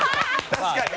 確かにね。